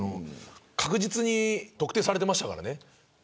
確実に特定されていましたからね。